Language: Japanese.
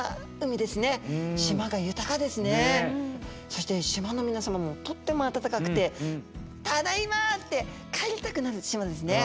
そして島の皆様もとっても温かくて「ただいま！」って帰りたくなる島ですね。